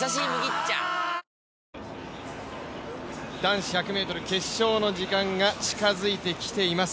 男子１００ｍ決勝の時間が近づいてきています。